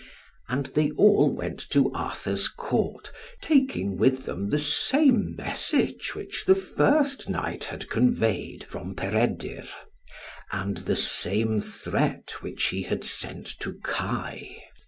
And they all went to Arthur's Court, taking with them the same message which the first knight had conveyed from Peredur, and the same threat which he had sent to Kai.